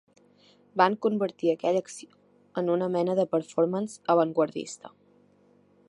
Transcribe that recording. Van convertir aquella acció en una mena de performance avantguardista.